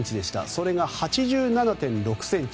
それが８７．６ｃｍ。